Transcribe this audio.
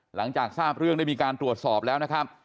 หลังจากทราบเรื่องได้มีการตรวจสอบแล้วนะครับ